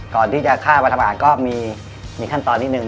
ก่อนที่จะฆ่าวัฒนาก็มีขั้นตอนนิดหนึ่ง